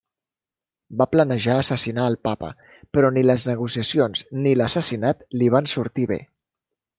Va planejar assassinar al Papa, però ni les negociacions ni l'assassinat li van sortir bé.